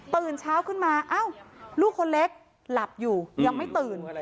ตื่นเช้าขึ้นมาเอ้าลูกคนเล็กหลับอยู่ยังไม่ตื่น